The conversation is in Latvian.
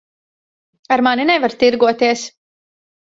Ar mani nevar tirgoties.